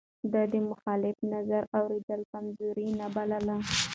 ده د مخالف نظر اورېدل کمزوري نه بلله.